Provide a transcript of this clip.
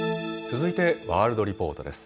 続いてワールドリポートです。